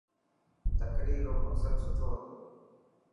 تقرير رو مقصد سٺو هتو.